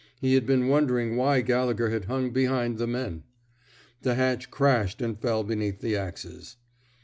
He had been wondering why Gallegher had hung behind the men. The hatch crashed and fell beneath the axes.